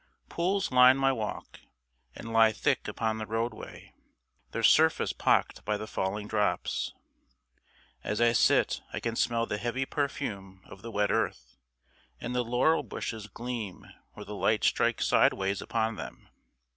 Pools line my walk, and lie thick upon the roadway, their surface pocked by the falling drops. As I sit I can smell the heavy perfume of the wet earth, and the laurel bushes gleam where the light strikes sideways upon them.